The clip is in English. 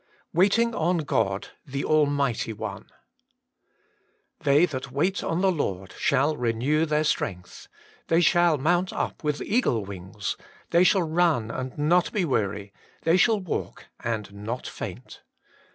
WAITING ON GOD; XTbe Blmigbt^ 0ne* *They that wait on the Lord shall renew their strength ; they shall mount up with eagle wings ; they shall run and not be weary ; they shall walk and not faint.'